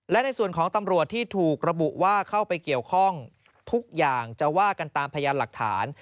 และในส่วนของตำรวจที่ถูกระบุว่าเข้าไปเกี่ยวข้องทุกอย่างจะว่ากันตามพยานหลักฐาน